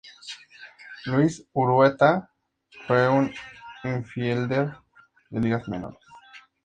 Luis Urueta fue un infielder de ligas menores.